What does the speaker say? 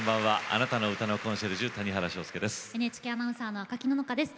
あなたの歌のコンシェルジュ谷原章介です。